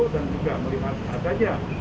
dan juga melihat adanya